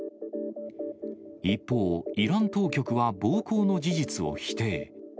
一方、イラン当局は暴行の事実を否定。